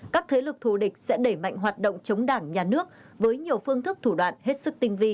các thế lực thù địch sẽ đẩy mạnh hoạt động chống đảng nhà nước với nhiều phương thức thủ đoạn hết sức tinh vi